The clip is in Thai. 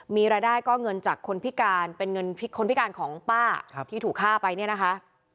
มีรายได้ก็เงินจากคนพิการเป็นเงินคนพิการของป้าที่ถูกฆ่าไปเนี่ยนะคะ